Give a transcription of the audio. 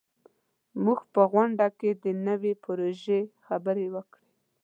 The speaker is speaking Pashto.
موږ په غونډه کې د نوي پروژې خبرې وکړې.